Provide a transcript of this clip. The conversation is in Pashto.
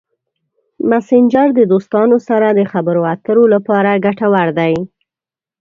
مسېنجر د دوستانو سره د خبرو اترو لپاره ګټور دی.